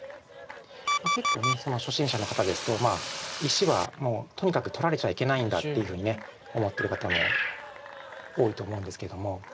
結構初心者の方ですと石はもうとにかく取られちゃいけないんだっていうふうに思ってる方も多いと思うんですけども。